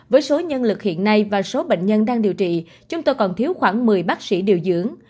với số nhân lực hiện nay và số bệnh nhân đang điều trị chúng tôi còn thiếu khoảng một mươi bác sĩ điều dưỡng